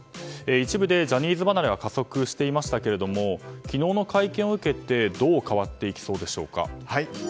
一部でジャニーズ離れが加速していましたけれども昨日の会見を受けてどう変わっていきそうでしょうか。